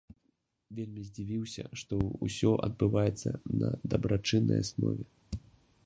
Вельмі здзівіўся, што ўсё адбываецца на дабрачыннай аснове.